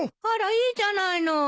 あらいいじゃないの。